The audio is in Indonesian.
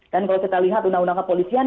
dan kalau kita lihat undang undang kepolisian